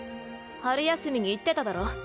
春休みに言ってただろ。